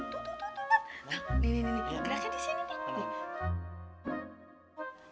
nih nih nih nih geraknya di sini